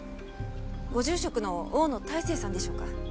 ご住職の大野泰生さんでしょうか？